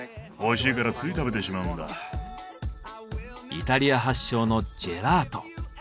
イタリア発祥のジェラート。